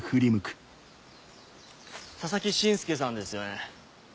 佐々木慎介さんですよね？